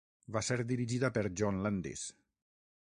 Va ser dirigida per John Landis.